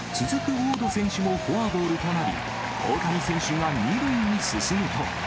ウォード選手もフォアボールとなり、大谷選手が２塁に進むと。